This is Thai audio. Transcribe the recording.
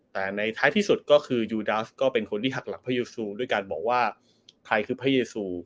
แต่ในท้ายที่สุดก็คือยูดาสก็เป็นคนที่หักหลักพระยูซูด้วยการบอกว่าใครคือพระเยซู